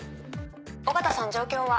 緒方さん状況は？